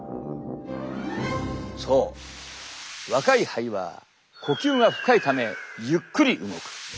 そう若い肺は呼吸が深いためゆっくり動く。